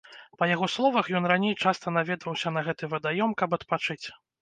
Па яго словах ён раней часта наведваўся на гэты вадаём, каб адпачыць.